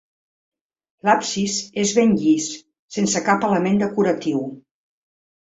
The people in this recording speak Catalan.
L'absis és ben llis, sense cap element decoratiu.